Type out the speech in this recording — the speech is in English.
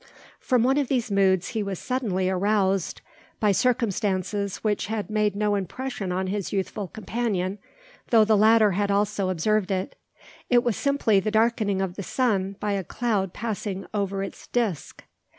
From one of these moods he was suddenly aroused by circumstances which had made no impression on his youthful companion, though the latter had also observed it. It was simply the darkening of the sun by a cloud passing over its disc.